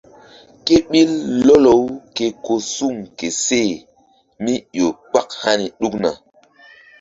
Ké ɓil lɔkɔ-u ke ko suŋ ke seh mí ƴo kpak hani ɗukna.